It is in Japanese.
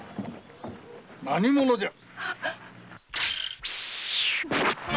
何者じゃ。